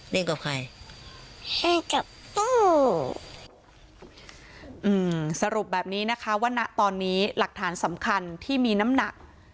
กับใครใช่กับตู้อืมสรุปแบบนี้นะคะว่าณตอนนี้หลักฐานสำคัญที่มีน้ำหนัก